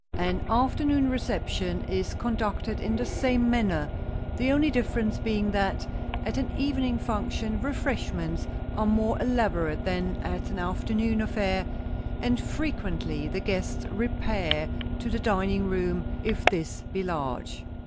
An afternoon reception is conducted in the same manner, the only difference being that, at an evening function refreshments are more elaborate than at an afternoon affair, and frequently the guests repair to the dining room, if this be large.